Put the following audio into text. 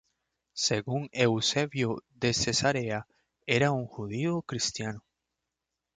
Según Eusebio de Cesarea era un judío cristiano.